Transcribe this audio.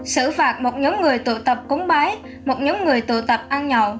xử phạt một nhóm người tụ tập cúng bái một nhóm người tụ tập ăn nhậu